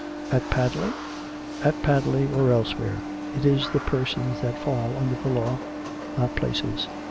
"At Padley?" " At Padley, or elsewhere. It is the persons that fall under the law, not places